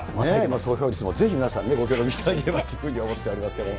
投票率もぜひ、皆さんご協力していただければと思っておりますけれども。